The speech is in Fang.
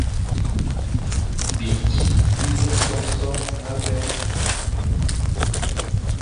Bizi bi vagha so sô é bè,